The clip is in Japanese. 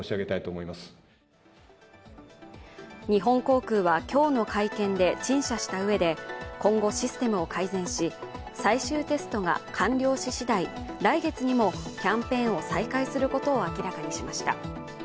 日本航空は今日の会見で陳謝したうえで今後、システムを改善し、最終テストが完了ししだい、来月にもキャンペーンを再開することを明らかにしました。